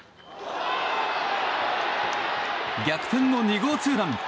逆転の２号ツーラン。